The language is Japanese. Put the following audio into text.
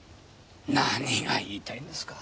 なにが言いたいんですか？